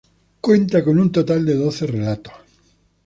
Cuenta con un total de doce relatos.